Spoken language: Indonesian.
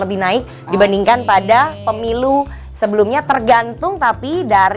lebih naik dibandingkan pada pemilu legislatif dua ribu sembilan belas